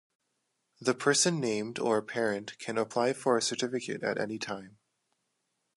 The person named or a parent can apply for a certificate at any time.